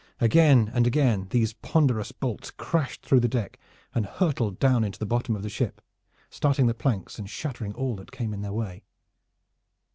Again and again these ponderous bolts crashed through the deck and hurtled down into the bottom of the ship, starting the planks and shattering all that came in their way.